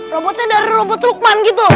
robotnya dari robot lukman gitu